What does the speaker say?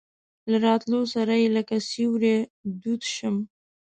د راتلو سره یې لکه سیوری دود شم.